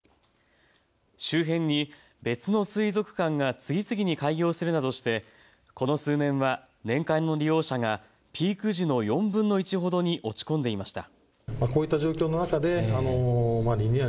周辺に別の水族館が次々に開業するなどしてこの数年は年間の利用者がピーク時の４分の１ほどに落ち込んでいました。